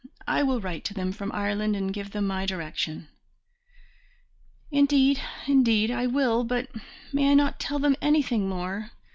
I will write to them from Ireland and give them my direction." "Indeed, indeed, I will, but may I not tell them anything more?